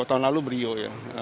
tahun lalu brio ya